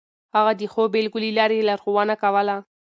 هغه د ښو بېلګو له لارې لارښوونه کوله.